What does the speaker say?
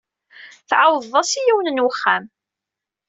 Tɛawed-as i yiwen n wexxam.